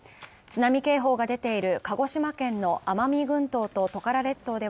津波警報が出ている鹿児島県の奄美群島